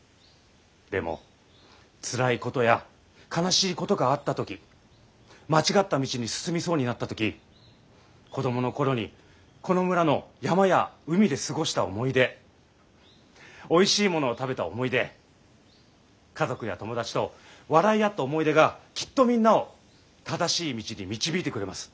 でもつらいことや悲しいことがあった時間違った道に進みそうになった時子供の頃にこの村の山や海で過ごした思い出おいしいものを食べた思い出家族や友達と笑い合った思い出がきっとみんなを正しい道に導いてくれます。